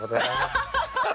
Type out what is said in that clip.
アハハハハ！